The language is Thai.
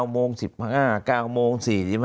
โมง๑๕๙โมง๔๕